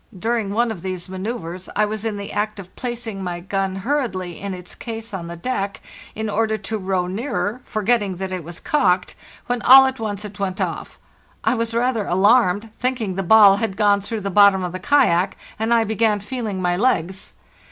During one of these manceuvres I "was in the act of placing my gun hurriedly in its case on the deck, in order to row nearer, forgetting that it was cocked, when all at once it went off. I was rather alarmed, thinking the ball had gone through the bottom of the kayak, and I began feeling my legs.